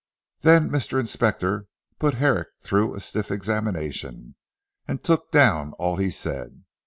Then Mr. Inspector put Herrick through a stiff examination, and took down all he said.